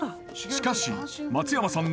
しかし松山さん